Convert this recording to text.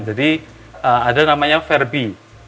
jadi ada namanya ferbi